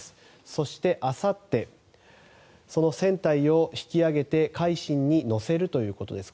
そして、あさってその船体を引き揚げて「海進」に載せるということです。